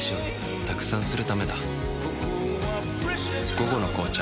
「午後の紅茶」